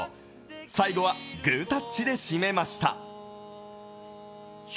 最後は、グータッチで締めました。